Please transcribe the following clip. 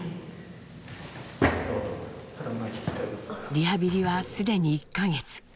リハビリは既に１か月。